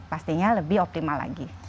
pastinya lebih optimal lagi